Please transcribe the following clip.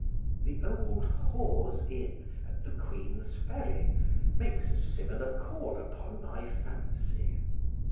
The old Hawes Inn at the Queen's Ferry makes a similar call upon my fancy.